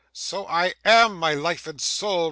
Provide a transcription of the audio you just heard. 'So I am, my life and soul!